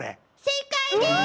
正解です！